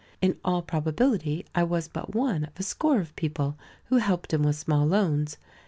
In all probability I was but one of a score of people who helped him with small loans.